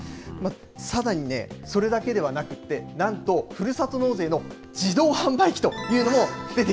さらにね、それだけではなくて、なんと、ふるさと納税の自動販売自動販売機。